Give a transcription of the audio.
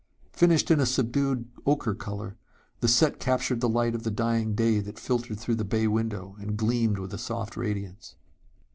Finished in a subdued ochre color, the set captured the light of the dying day that filtered through the bay window and gleamed with a soft radiance.